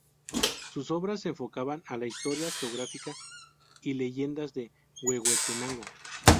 Sus obras se enfocaban a la historia, geografía y leyendas de Huehuetenango.